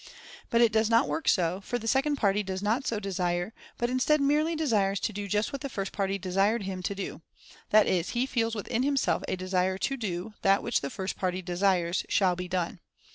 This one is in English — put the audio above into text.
But it does not work so, for the second party does not so desire, but instead merely desires to do just what the first party desired him to do — that is he feels within himself a desire to' do that which the first party desires shall be done.